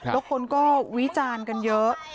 แล้วคนก็วิจารณ์กันเยอะ